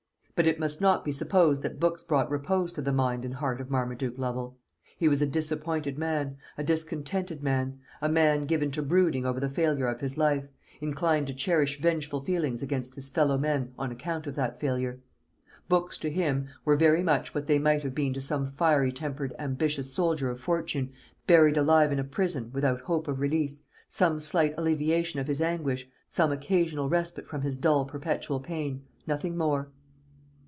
But it must not be supposed that books brought repose to the mind and heart of Marmaduke Lovel. He was a disappointed man, a discontented man, a man given to brooding over the failure of his life, inclined to cherish vengeful feelings against his fellow men on account of that failure. Books to him were very much what they might have been to some fiery tempered ambitious soldier of fortune buried alive in a prison, without hope of release, some slight alleviation of his anguish, some occasional respite from his dull perpetual pain; nothing more.